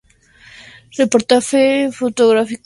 Reportaje fotográfico y explicativo en National Geographic.